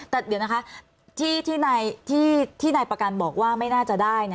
แต่เดี๋ยวนะคะที่นายประกันบอกว่าไม่น่าจะได้